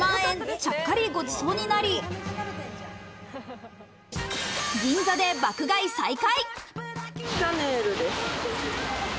ちゃっかりごちそうになり、銀座で爆買い再開。